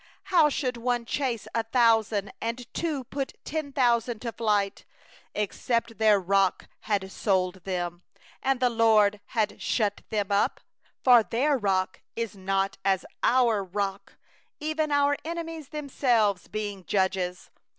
30How should one chase a thousand, And two put ten thousand to flight, Except their Rock had given them over And the LORD had delivered them up? 31For their rock is not as our Rock, Even our enemies themselves being judges.